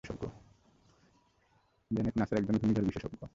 Janet নাসার একজন ঘূর্নিঝড় বিশেষজ্ঞ।